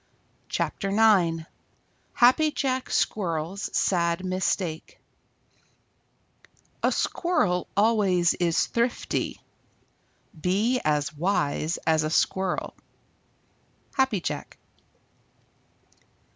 CHAPTER IX HAPPY JACK SQUIRREL'S SAD MISTAKE A Squirrel always is thrifty. Be as wise as a Squirrel. _Happy Jack.